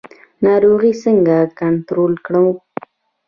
ناروغي څنګه کنټرول کړو؟